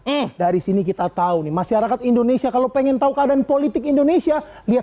eh dari sini kita tahu nih masyarakat indonesia kalau pengen tahu keadaan politik indonesia lihat